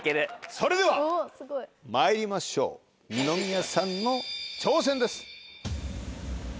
それではまいりましょう二宮さんの挑戦です。